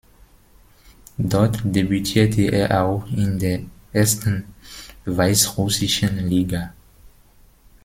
Dort debütierte er auch in der ersten weißrussischen Liga.